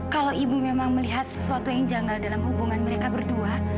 kalau ibu memang melihat sesuatu yang janggal dalam hubungan mereka berdua